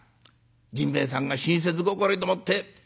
甚兵衛さんが親切心でもって。